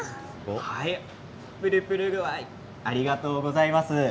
ぷるぷる具合ありがとうございます。